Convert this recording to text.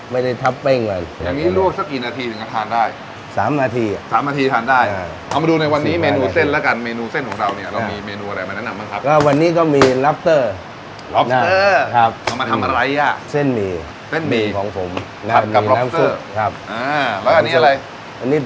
ไม่ได้ทับเป้งมันอย่างนี้ลวกสักกี่นาทีถึงจะทานได้สามนาทีสามนาทีทานได้